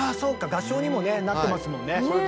合唱にもねなってますもんね。